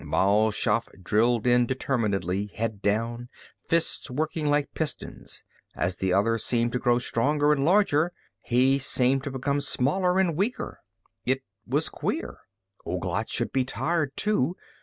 Still Mal Shaff drilled in determinedly, head down, fists working like pistons. As the other seemed to grow stronger and larger, he seemed to become smaller and weaker. It was queer. Ouglat should be tired, too.